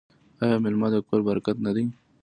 آیا میلمه د کور برکت نه دی؟